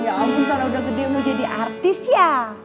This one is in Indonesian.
ya ampun kalau udah gede mau jadi artis ya